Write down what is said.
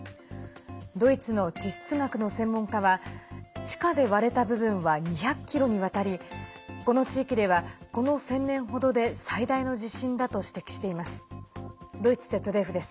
ドイツの地質学の専門家は地下で割れた部分は２００ｋｍにわたりこの地域ではこの１０００年程で最大の地震だと指摘しています。